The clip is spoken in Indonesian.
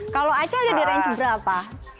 kalau aca aja di range berapa